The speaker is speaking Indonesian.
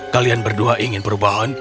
kalian berdua ingin perubahan